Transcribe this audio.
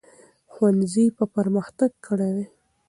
ښوونځي به پرمختګ کړی وي.